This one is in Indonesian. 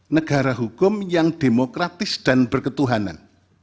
negara hukum yang demokratis dan berketuhanan